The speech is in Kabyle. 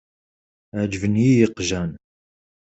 Ɛeǧben-iyi yeqjan.